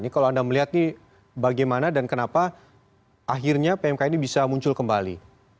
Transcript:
kalau anda melihat ini bagaimana dan kenapa akhirnya pmk ini bisa muncul kembali